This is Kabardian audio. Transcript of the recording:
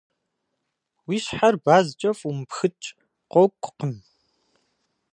Уи щхьэр базкӏэ фӏумыпхыкӏ, къокӏукъым.